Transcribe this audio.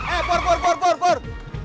eh pur pur pur pur